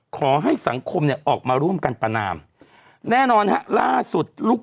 ขอให้สังคมเนี่ยออกมาร่วมกันประนามแน่นอนฮะล่าสุดลูก